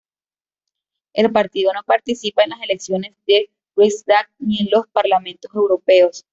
El partido no participa en las elecciones al Riksdag ni en los parlamentos europeos.